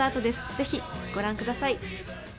ぜひ、ご覧ください。